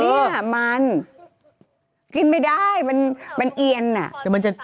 นี่ค่ะมันกินไม่ได้มันเอียนน่ะ